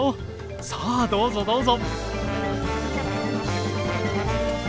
さあどうぞどうぞ。